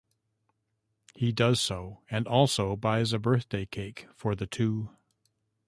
He does so, and also buys a birthday cake for the two.